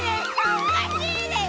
おかしいです！